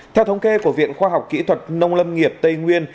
theo thống kê của viện khoa học kỹ thuật nông lâm nghiệp tây nguyên